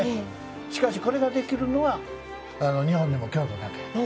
しかし、これができるのは日本でも京都だけ。